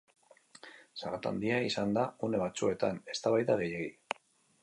Zarata handia izan da une batzuetan, eztabaida gehiegi.